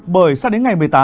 bởi sát đến ngày một mươi tám